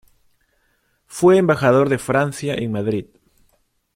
Fue embajador de Francia en Madrid.